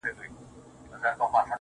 چې «فایده» وه